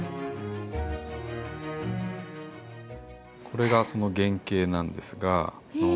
これがその原型なんですが。